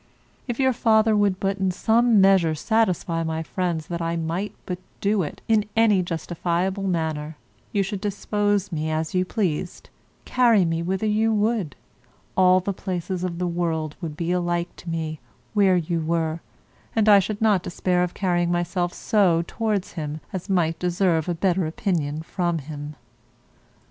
If your father would but in some measure satisfy my friends that I might but do it in any justifiable manner, you should dispose me as you pleased, carry me whither you would, all places of the world would be alike to me where you were, and I should not despair of carrying myself so towards him as might deserve a better opinion from him.